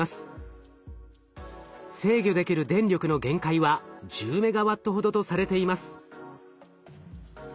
制御できる電力の限界は１０メガワットほどとされています。